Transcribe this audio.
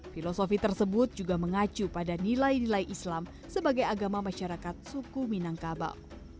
filosofi tersebut juga mengacu pada nilai nilai islam sebagai agama masyarakat suku minangkabau